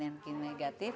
yang energi negatif